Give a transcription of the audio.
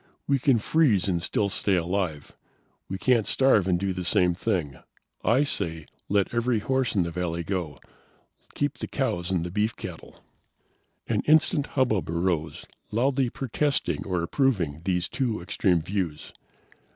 We can freeze and still stay alive. We can't starve and do the same thing. I say, let every horse in the valley go. Keep the cows and beef cattle." An instant hubbub arose, loudly protesting or approving these two extreme views.